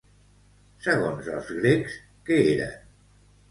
Segons els grecs, que eren?